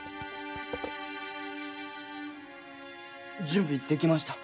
準備できました。